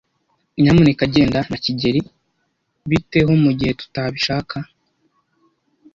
"Nyamuneka genda na kigeli." "Bite ho mu gihe tutabishaka?"